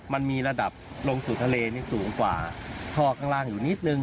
มันมีระดับลงสู่ทะเลสูงกว่าท่อกลางอยู่นิดหนึ่ง